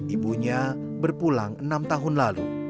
ibunya berpulang enam tahun lalu